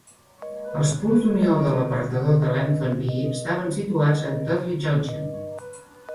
Els punts d'unió de l'apartador de Lambton B estaven situats a Dudley Junction.